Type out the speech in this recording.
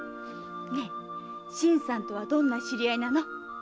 ねえ新さんとはどんな知り合い？